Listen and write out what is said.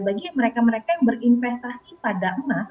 bagi mereka mereka yang berinvestasi pada emas